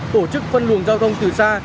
tổ chức phân luồng giao thông từ xa